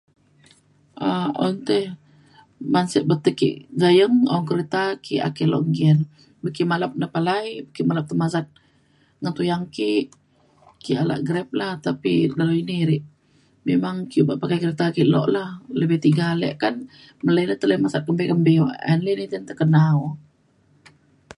um un tei ban sek batek ke gayeng un kereta ki ake lok nggin. be ke malap ne palai kimet ne pasat neng tuyang ke ki ala Grab la. tapi dalau ini re memang ke obak pakai kereta ke lok la. lebih tiga ale kan melai na le tai masat kembi kembi [unintelligible] tekena o